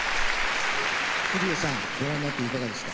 桐生さんご覧になっていかがですか？